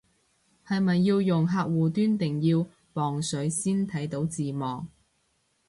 係咪要用客戶端定要磅水先睇到字幕